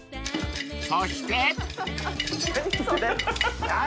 ［そして］